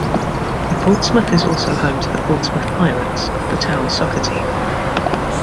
Portsmouth is also home to the Portsmouth Pirates, the town's soccer team.